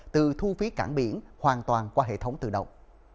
từ thu phí cảng biển hoàn toàn qua hệ thống tự động